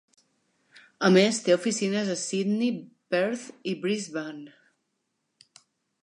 A més té oficines a Sydney, Perth i Brisbane.